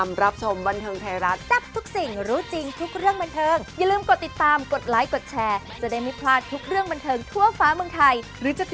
มีสุขภาพแข็งแรงนะจ๊ะ